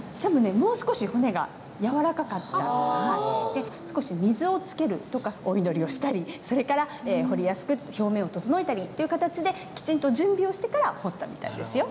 で少し水をつけるとかお祈りをしたりそれから彫りやすく表面を整えたりという形できちんと準備をしてから彫ったみたいですよ。